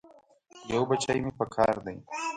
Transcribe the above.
یو بچی مې پکار دی.